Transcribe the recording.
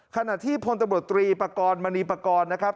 ขณะที่พลตำรวจตรีประกอบมณีประกอบ